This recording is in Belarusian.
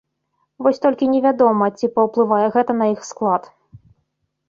Вось толькі невядома, ці паўплывае гэта на іх склад.